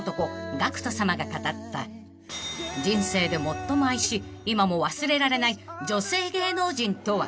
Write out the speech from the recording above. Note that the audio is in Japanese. ＧＡＣＫＴさまが語った人生で最も愛し今も忘れられない女性芸能人とは］